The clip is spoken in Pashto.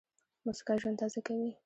موسکا ژوند تازه کوي.